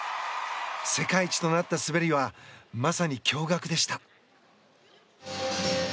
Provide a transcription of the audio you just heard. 世界一となった滑りはまさに驚愕でした。